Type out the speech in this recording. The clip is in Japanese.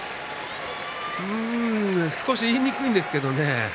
少し言いにくいんですけれどね。